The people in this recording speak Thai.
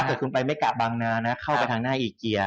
เกิดคุณไปไม่กะบางนานะเข้าไปทางหน้าอีเกียร์